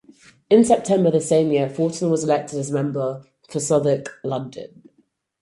In September the same year Thornton was elected as member for Southwark, London.